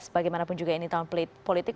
bagaimanapun juga ini tahun politik